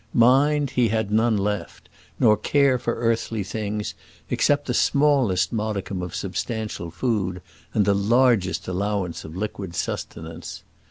Mind he had none left, nor care for earthly things, except the smallest modicum of substantial food, and the largest allowance of liquid sustenance.